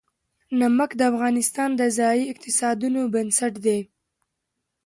نمک د افغانستان د ځایي اقتصادونو بنسټ دی.